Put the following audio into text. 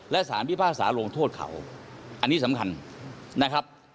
และสารพิพากษาลงโทษเขาอันนี้สำคัญนะครับ